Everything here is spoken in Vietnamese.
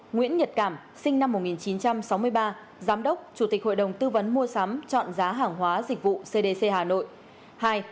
sáu nguyễn nhật cảm sinh năm một nghìn chín trăm sáu mươi ba giám đốc chủ tịch hội đồng tư vấn mua sắm chọn giá hàng hóa dịch vụ cdc hà nội